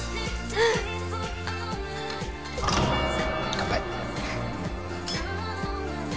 乾杯。